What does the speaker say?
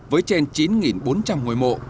với trên chín bốn trăm linh ngôi mộ